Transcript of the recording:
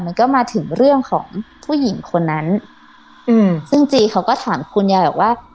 มันก็มาถึงเรื่องของผู้หญิงคนนั้นอืมซึ่งจีเขาก็ถามคุณยายบอกว่า